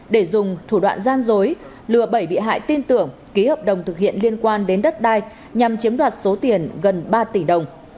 để dùng thủ đoạn gian dối lừa bẩy bị hại tin tưởng ký hợp đồng thực hiện liên quan đến đất đai nhằm chiếm đoạt số tiền gần ba tỷ đồng